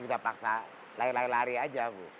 kita paksa lari lari aja